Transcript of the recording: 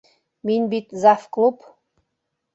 Мин бит зав-клуб.